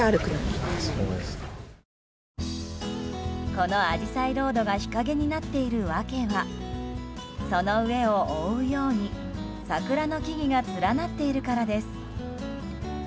このアジサイロードが日陰になっている訳はその上を覆うように、桜の木々が連なっているからです。